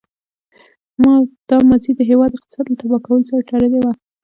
دا ماضي د هېواد اقتصاد له تباه کولو سره تړلې وه.